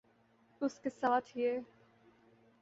اس کے ساتھ یہ